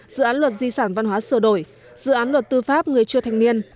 dự án luật di sản văn hóa sửa đổi dự án luật tư pháp người chưa thành niên